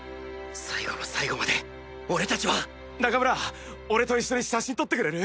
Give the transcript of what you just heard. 最後の最後まで俺達は中村俺と一緒に写真撮ってくれる？